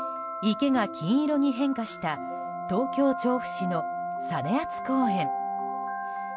池が金色に変化した東京・調布市の実篤公園。